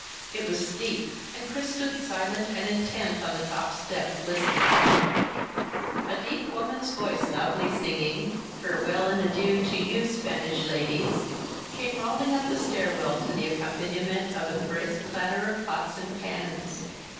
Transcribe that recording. It was steep, and Chris stood silent and intent on the top step, listening. A deep woman's voice loudly singing, "Farewell and Adieu, to you, Spanish ladies " came rolling up the stairwell to the accompaniment of a brisk clatter of pots and pans.